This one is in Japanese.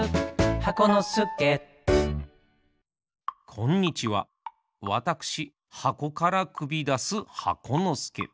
こんにちはわたくしはこからくびだす箱のすけ。